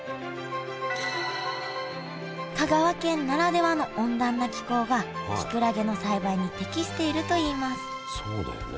香川県ならではの温暖な気候がきくらげの栽培に適しているといいますそうだよね。